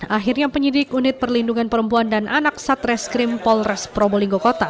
akhirnya penyidik unit perlindungan perempuan dan anak satreskrim polres probolinggo kota